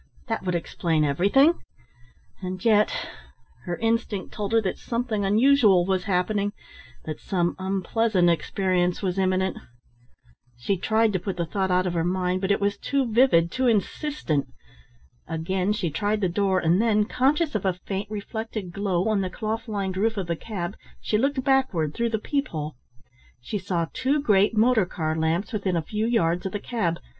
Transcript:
That would explain everything. And yet her instinct told her that something unusual was happening, that some unpleasant experience was imminent. She tried to put the thought out of her mind, but it was too vivid, too insistent. Again she tried the door, and then, conscious of a faint reflected glow on the cloth lined roof of the cab, she looked backward through the peep hole. She saw two great motor car lamps within a few yards of the cab.